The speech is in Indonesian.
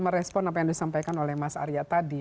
merespon apa yang disampaikan oleh mas arya tadi